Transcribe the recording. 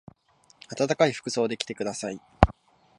あたたかい服装で来てください。